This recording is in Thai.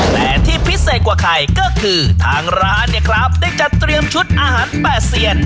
แต่ที่พิเศษกว่าใครก็คือทางร้านเนี่ยครับได้จัดเตรียมชุดอาหารแปดเซียน